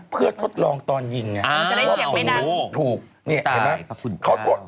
เพื่อทดลองตอนยิงเนี่ยว่าผมรู้ถูกนี่เห็นไหม